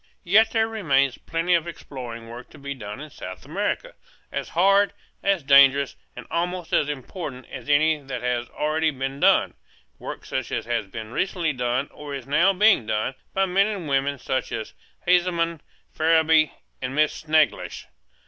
There yet remains plenty of exploring work to be done in South America, as hard, as dangerous, and almost as important as any that has already been done; work such as has recently been done, or is now being done, by men and women such as Haseman, Farrabee, and Miss Snethlage.